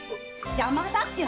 邪魔だっての！